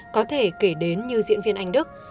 có thể kể đến như diễn viên anh đức